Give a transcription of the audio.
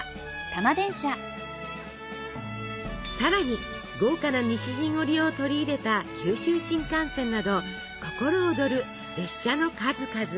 さらに豪華な西陣織を取り入れた九州新幹線など心躍る列車の数々。